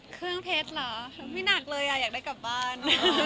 เครื่องเพชรเหรอไม่หนักเลยอ่ะอยากได้กลับบ้าน